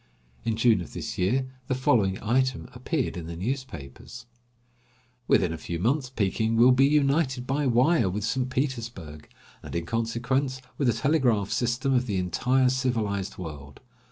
In June of this year the following item appeared in the newspapers: "Within a few months Peking will be united by wire with St. Petersburg; and, in consequence, with the telegraph system of the entire civilized world.